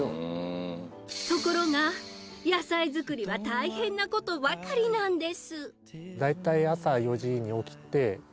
ところが野菜作りは大変な事ばかりなんです。